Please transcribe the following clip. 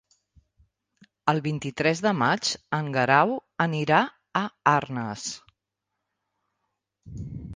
El vint-i-tres de maig en Guerau anirà a Arnes.